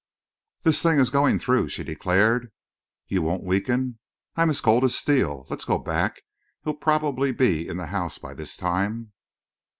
"This thing is going through," she declared. "You won't weaken?" "I'm as cold as steel. Let's go back. He'll probably be in the house by this time."